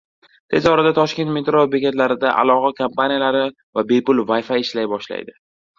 Tez orada Toshkent metro bekatlarida aloqa kompaniyalari va bepul Wi-Fi ishlay boshlaydi